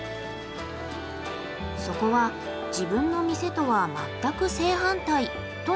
そこは自分の店とは全く正反対とのことですが。